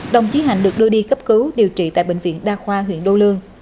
đồng chí hạnh được đưa đi cấp cứu điều trị tại bệnh viện đa khoa huyện đô lương